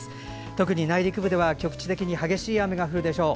特に内陸部では局地的に激しい雨が降るでしょう。